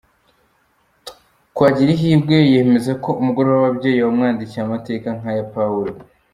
Twagirihirwe yemeza ko umugoroba w’ababyeyi wamwandikiye amateka nk’aya Pawulo.